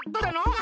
あ。